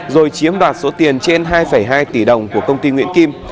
rồi chiếm đoạt số tiền trên hai hai tỷ đồng của công ty nguyễn kim